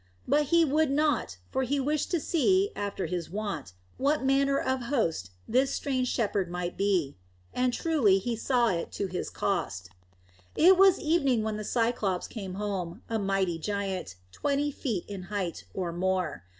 But he would not, for he wished to see, after his wont, what manner of host this strange shepherd might be. And truly he saw it to his cost! It was evening when the Cyclops came home, a mighty giant, twenty feet in height, or more.